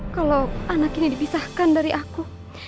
kalau anak ini dipisahkan dari aku